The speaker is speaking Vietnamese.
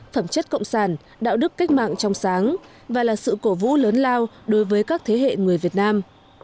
phẩm chất cộng sản đạo đức cách mạng trong sáng và là sự cổ vũ lớn lao đối với các thế hệ người việt nam